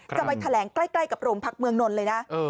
จะไปแถลงใกล้กับโรงพักเมืองนนท์เลยนะ